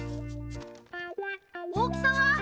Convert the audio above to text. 大きさは？